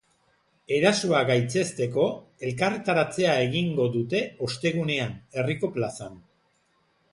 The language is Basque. Erasoa gaitzesteko elkarretaratzea egingo dute ostegunean, herriko plazan.